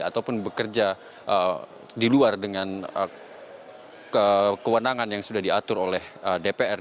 ataupun bekerja di luar dengan kewenangan yang sudah diatur oleh dpr